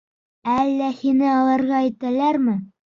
Әллә һине алырға итәләрме?